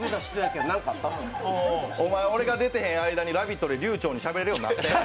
お前俺が出てへん間に、「ラヴィット！」で流ちょうにしゃべるようになったやん。